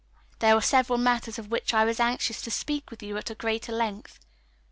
There were several matters of which I was anxious to speak with you at greater length.